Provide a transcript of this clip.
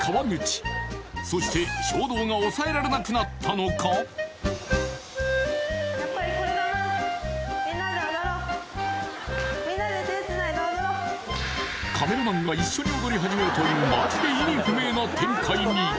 しかもとんでもないそしてカメラマンが一緒に踊り始めるというマジで意味不明な展開に